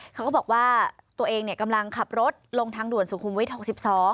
เขาก็บอกว่าตัวเองกำลังขับรถลงทางด่วนสุขุมวิทย์๖๒